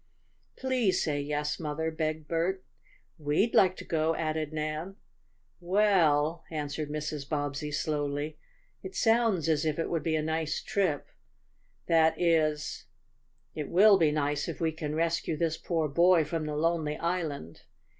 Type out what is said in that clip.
"Please say yes, Mother!" begged Bert. "We'd like to go!" added Nan. "Well," answered Mrs. Bobbsey slowly, "it sounds as if it would be a nice trip. That is it will be nice if we can rescue this poor boy from the lonely island.